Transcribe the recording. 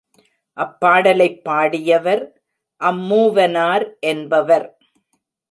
அப்பாடலைப் பாடியவர் அம்மூவனார் என்பவர்.